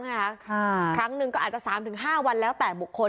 ค่ะครั้งหนึ่งก็อาจจะสามถึงห้าวันแล้วแต่บุคคล